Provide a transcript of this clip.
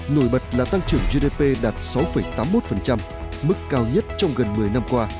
nổi bật là tăng trưởng gdp đạt sáu tám mươi một mức cao nhất trong gần một mươi năm qua